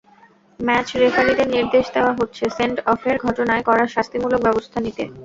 Match রেফারিদের নির্দেশ দেওয়া হচ্ছে, সেন্ড-অফের ঘটনায় কড়া শাস্তিমূলক ব্যবস্থা নিতে।